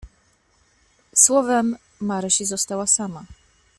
"Słowem, Maryś została sama."